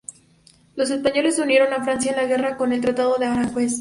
Los españoles se unieron a Francia en la guerra con el Tratado de Aranjuez.